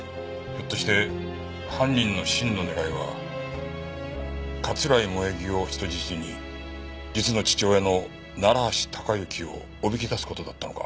ひょっとして犯人の真の狙いは桂井萌衣を人質に実の父親の楢橋高行をおびき出す事だったのか？